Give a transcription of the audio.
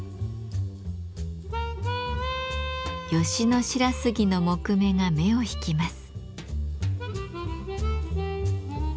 吉野白杉の木目が目をひきます。